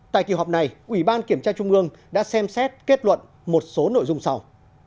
tại kỳ họp này ủy ban kiểm tra trung ương đã xem xét kết luận một số nội dung sau